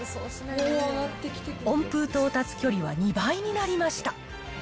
温風到達距離は２倍になりました。